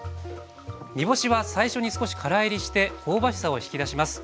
煮干しは最初に少しから煎りして香ばしさを引き出します。